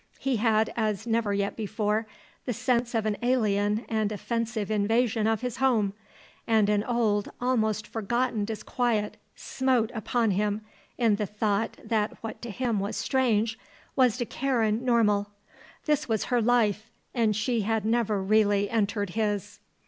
He had, as never yet before, the sense of an alien and offensive invasion of his home, and an old, almost forgotten disquiet smote upon him in the thought that what to him was strange was to Karen normal. This was her life and she had never really entered his.